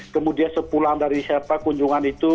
kemudian sepulang dari siapa kunjungan itu